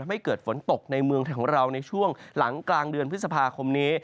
ไม่เกิดฝนตกในเมืองไทยของเราในช่วงหลังกลางเดือนพฤษภาคมนี้